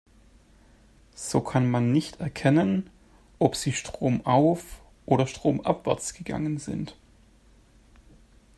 So kann man nicht erkennen, ob sie stromauf- oder stromabwärts gegangen sind.